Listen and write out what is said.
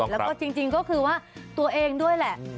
แล้วก็จริงก็คือว่าตัวเองด้วยแหละ